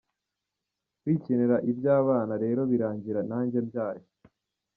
Kwikinira iby’abana rero birangira nanjye mbyaye.